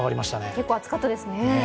結構暑かったですね。